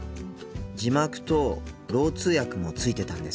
字幕とろう通訳もついてたんですよ。